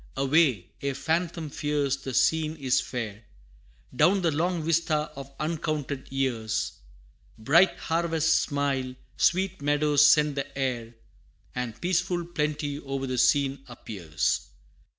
Away, ye phantom fears the scene is fair, Down the long vista of uncounted years; Bright harvests smile, sweet meadows scent the air, And peaceful plenty o'er the scene appears.